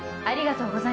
ありがとう